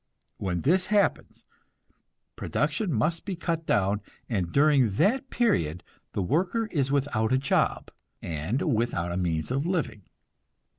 When this happens, production must be cut down, and during that period the worker is without a job, and without means of living.